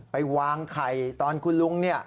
ไปวางไข่ตอนคุณลุงเนี่ย